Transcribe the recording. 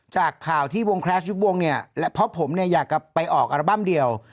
จากข่าวที่วงแคลสยุควงเนี่ยและเพราะผมเนี่ยอยากจะไปออกอัลบั้มเดียว